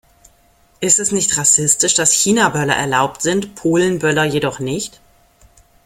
Ist es nicht rassistisch, dass Chinaböller erlaubt sind, Polenböller jedoch nicht?